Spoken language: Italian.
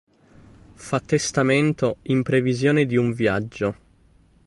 Fa testamento In previsione di un viaggio.